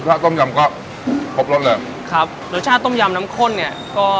ถ้าต้มยำก็ครบรสเลยครับรสชาติต้มยำน้ำข้นเนี้ยก็